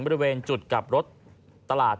บริเวณจุดกลับรถตลาด